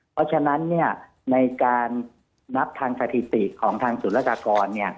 เพราะฉะนั้นในการนับทางสถิติของทางศูนยากากร